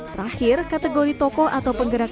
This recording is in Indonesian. terakhir kategori tokoh atau penggerak